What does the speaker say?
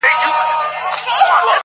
ن و، قاف و، يې و، بې ښايسته تورې,